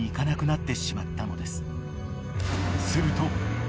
［すると］